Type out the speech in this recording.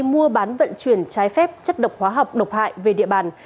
mua bán vận chuyển trái phép chất độc hóa học độc hại về địa bàn